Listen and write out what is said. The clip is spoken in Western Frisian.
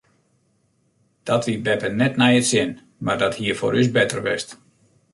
Dat wie beppe net nei it sin mar dat hie foar ús better west.